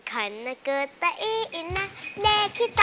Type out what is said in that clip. คันเกิดตะอี้อิน่ะเนคิตะละอี้อิน่ะ